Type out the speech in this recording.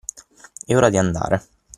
È ora di andare.